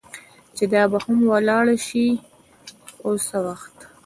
چې دا به هم ولاړه شي، خو څه وخت.